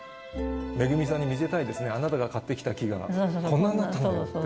めぐみさんに見せたいですね、あなたが買ってきた木が、こんなになったのよって。